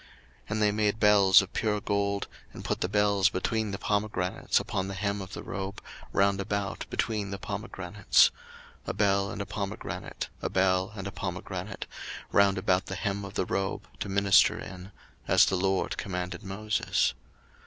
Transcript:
02:039:025 And they made bells of pure gold, and put the bells between the pomegranates upon the hem of the robe, round about between the pomegranates; 02:039:026 A bell and a pomegranate, a bell and a pomegranate, round about the hem of the robe to minister in; as the LORD commanded Moses.